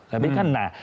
tapi kan nah